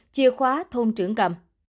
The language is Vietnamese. chia khóa thôn trưởng cầm